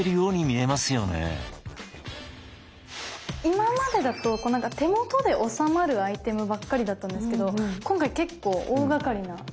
今までだと手元で収まるアイテムばっかりだったんですけど今回結構大がかりな感じなので。